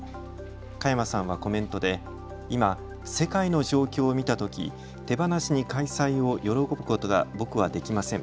加山さんはコメントで今、世界の状況を見たとき、手放しに開催を喜ぶことが僕はできません。